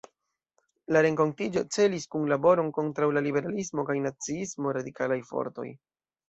La renkontiĝo celis kunlaboron kontraŭ la liberalismo kaj naciismo, radikalaj fortoj.